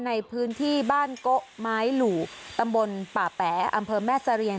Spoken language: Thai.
ในพื้นที่บ้านโกะไม้หลู่ตำบลป่าแป๋อำเภอแม่เสรียง